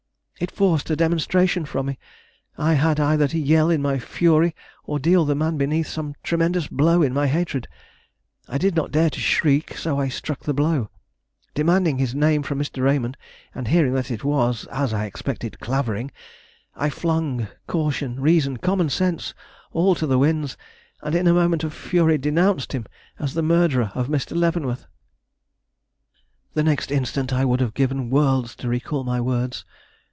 It forced a demonstration from me. I had either to yell in my fury or deal the man beneath some tremendous blow in my hatred. I did not dare to shriek, so I struck the blow. Demanding his name from Mr. Raymond, and hearing that it was, as I expected, Clavering, I flung caution, reason, common sense, all to the winds, and in a moment of fury denounced him as the murderer of Mr. Leavenworth. The next instant I would have given worlds to recall my words.